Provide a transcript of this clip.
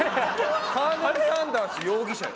カーネル・サンダース容疑者よ。